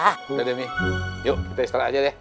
yaudah demi yuk kita istirahat aja deh